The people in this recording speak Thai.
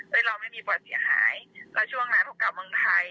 เราไม่มีประสิทธิ์หายและช่วงนั้นพวกับเมืองไทย